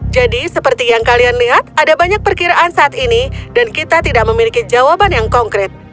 jadi seperti yang kalian lihat ada banyak perkiraan saat ini dan kita tidak memiliki jawaban yang konkret